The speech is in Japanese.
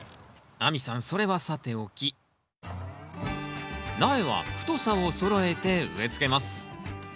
亜美さんそれはさておき苗は太さをそろえて植えつけます